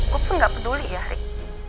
gue pun nggak peduli ya rik